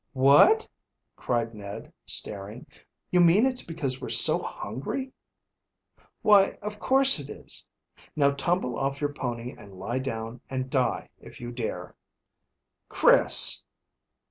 "What!" cried Ned, staring. "You mean it's because we're so hungry?" "Why, of course it is. Now, tumble off your pony and lie down and die if you dare!" "Chris!"